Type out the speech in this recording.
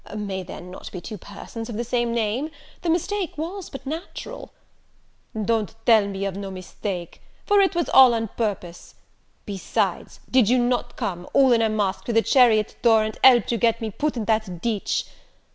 "May there not be two persons of the same name? the mistake was but natural " "Don't tell me of no mistake, for it was all on purpose: besides, did not you come, all in a mask, to the chariot door, and help to get me put in that ditch?